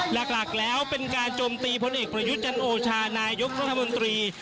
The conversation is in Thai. หลักแล้วเป็นการจมตีพลเอกประยุทธ์จันโอชานายกรัฐมนตรี